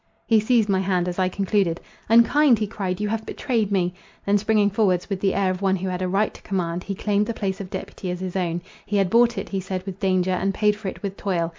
He seized my hand, as I concluded— "Unkind!" he cried, "you have betrayed me!" then, springing forwards, with the air of one who had a right to command, he claimed the place of deputy as his own. He had bought it, he said, with danger, and paid for it with toil.